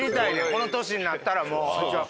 この年になったらもう。